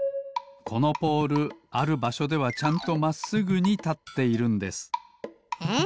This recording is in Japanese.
このポールあるばしょではちゃんとまっすぐにたっているんです。え？